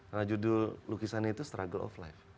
karena judul lukisannya itu struggle of life